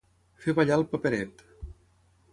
Fer ballar el paperet.